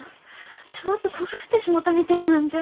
ちょっと焦がしてしもうたみてえなんじゃ。